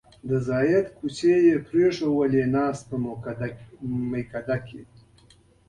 د زهد کوڅې یې پرېښوولې ناست په میکده کې